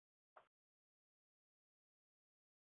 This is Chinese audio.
达文特里是位于英格兰北安普敦郡的一座城市。